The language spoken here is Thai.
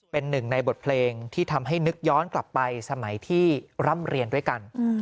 เป็นหนึ่งในบทเพลงที่ทำให้นึกย้อนกลับไปสมัยที่ร่ำเรียนด้วยกัน